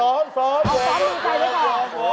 ยังไม่ได้ยังเหมือนละอยู่ทีหนึ่ง